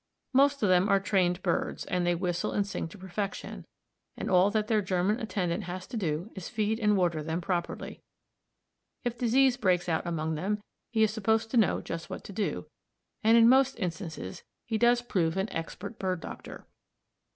Most of them are trained birds and they whistle and sing to perfection, and all that their German attendant has to do is to feed and water them properly. If disease breaks out among them, he is supposed to know just what to do, and in most instances he does prove an expert bird doctor.